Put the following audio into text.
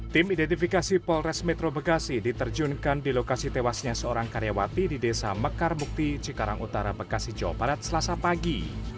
tim identifikasi polres metro bekasi diterjunkan di lokasi tewasnya seorang karyawati di desa mekar mukti cikarang utara bekasi jawa barat selasa pagi